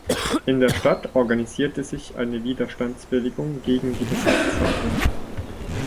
In der Stadt organisierte sich eine Widerstandsbewegung gegen die Besatzer.